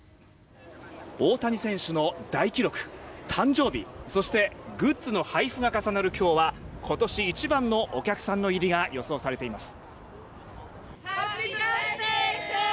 大谷選手の大記録、誕生日そしてグッズの配布が重なる今日は今年一番のお客さんの入りが予想されています。